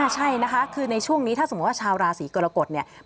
ใช่นะคะคือในช่วงนี้ถ้าสมมุติว่าชาวราศีกรกฎเนี่ย